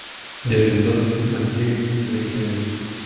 Desde entonces mantiene quince secciones.